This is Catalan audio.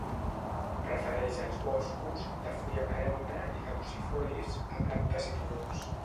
Prefereix els boscos, de fulla perenne i caducifolis, a planes i turons.